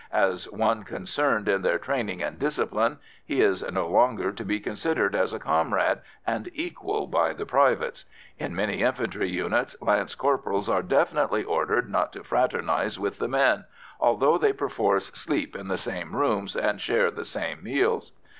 As one concerned in their training and discipline he is no longer to be considered as a comrade and equal by the privates; in many infantry units, lance corporals are definitely ordered not to fraternise with the men, although they perforce sleep in the same rooms and share the same meals.